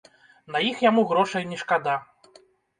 На іх яму грошай не шкада.